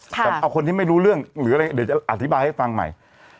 แต่เอาคนที่ไม่รู้เรื่องหรืออะไรเดี๋ยวจะอธิบายให้ฟังใหม่